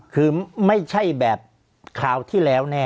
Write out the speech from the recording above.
คือไม่ใช่แบบคราวที่แล้วแน่